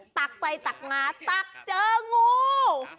ตักไปตักมาตักเจองู